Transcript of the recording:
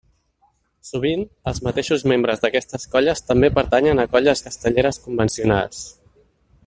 Sovint, els mateixos membres d'aquestes colles també pertanyen a colles castelleres convencionals.